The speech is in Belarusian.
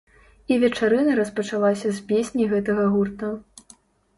І вечарына распачалася з песні гэтага гурта.